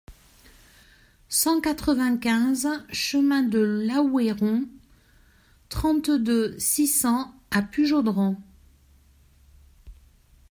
cent quatre-vingt-quinze chemin de l'Aoueilleron, trente-deux, six cents à Pujaudran